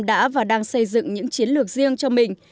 đã và đang xây dựng những chiến lược riêng cho mình